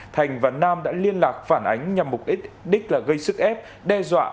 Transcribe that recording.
thành và nam đã liên lạc phản ánh nhằm mục đích là gây sức ép đe dọa